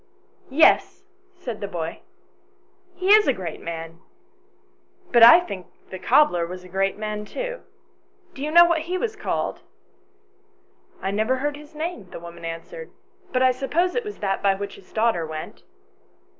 " Yes," said the boy, " he is a great man ; but I think the cobbler was a great man too. Do you know what he was called ?"" I never heard his name," the woman answered, "but I suppose it was that by which his daughter went."